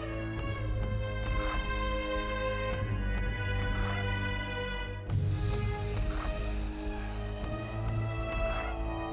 masih ada yang mau ngomong